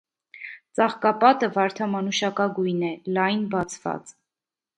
Ծաղկապատը վարդամանուշակագույն է, լայն բացված։